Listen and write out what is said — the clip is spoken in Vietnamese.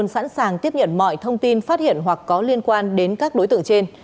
sẵn sàng tiếp nhận mọi thông tin phát hiện hoặc có liên quan đến các đối tượng trên